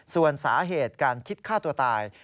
ส่วนสาเหตุการคิดฆ่าตัวตาย